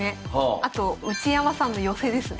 あと内山さんの寄せですね。